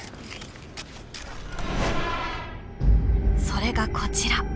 それがこちら。